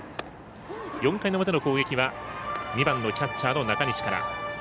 ４回の表の攻撃は２番のキャッチャーの中西から。